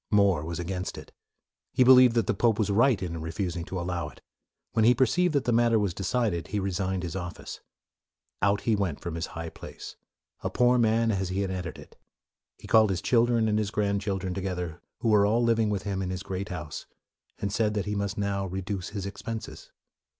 More was against it, He believed that the pope was right in refusing to allow it. When he perceived that the matter was decided, he resigned his office. Out he went from his high place, a poor man as he had entered it. He called his children and his grand children together, who were all living with him in his great house, and said that he must now reduce his expenses.